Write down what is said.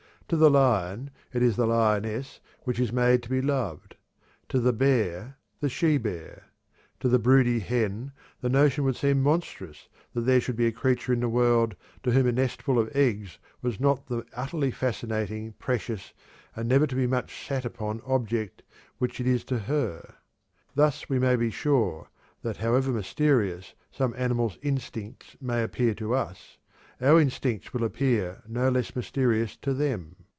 To the lion it is the lioness which is made to be loved; to the bear, the she bear. To the broody hen the notion would seem monstrous that there should be a creature in the world to whom a nestful of eggs was not the utterly fascinating, precious, and never to be too much sat upon object which it is to her. Thus we may be sure that however mysterious some animals' instincts may appear to us, our instincts will appear no less mysterious to them.